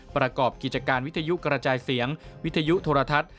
ประกอบกิจการวิทยุกระจายเสียงวิทยุโทรทัศน์